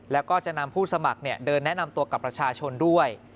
แล้วก็จะนำผู้สมัครเดินแนะนำตัวกับประชาชนด้วย